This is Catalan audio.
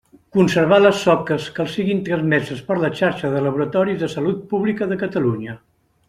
Conservar les soques que els siguin trameses per la xarxa de laboratoris de Salut Pública de Catalunya.